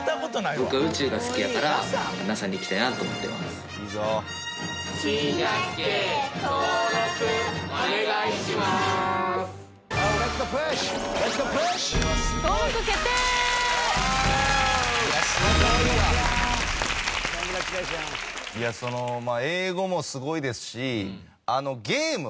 いやその英語もすごいですしあのゲーム。